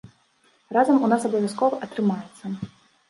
Разам у нас абавязкова атрымаецца!